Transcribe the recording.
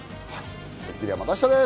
『スッキリ』はまた明日です。